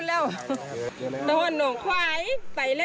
ลาพ่อนหน่องไขวไปแหละ